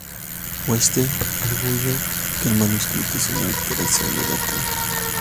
Wettstein arguyó que el manuscrito es una alteración del latín.